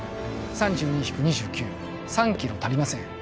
３２引く２９３キロ足りません